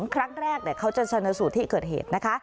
ครั้งแรกเขาจะชนะสูตรที่เกิดเหตุนะคะ